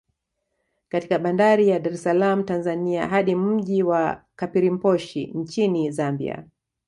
Katika bandari ya Dar es salaam Tanzania hadi mji wa Kapirimposhi Nchini Zambia